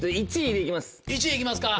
１位行きますか？